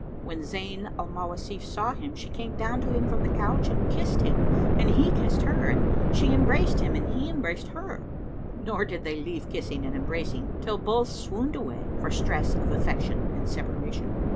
When Zayn al Mawasif saw him, she came down to him from the couch and kissed him and he kissed her and she embraced him and he embraced her; nor did they leave kissing and embracing till both swooned away for stress of affection and separation.